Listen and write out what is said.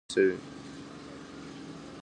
چې للمې زمکې خړوبې شي نو نتيجه يې څۀ وي؟